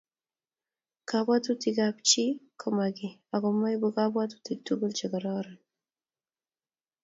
Kabwatutikabchi ko makiy ago moibu kabwatutikab tuguk chekororon